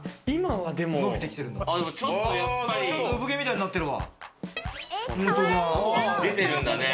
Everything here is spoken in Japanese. ちょっと産毛みたいになってるわ。